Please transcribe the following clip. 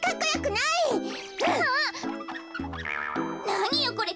なによこれ。